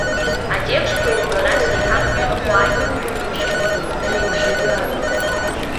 Атекстқәа еивгарас еиҳарак ирымоу ажәақәак рҩышьақәа реиԥшымзаароуп.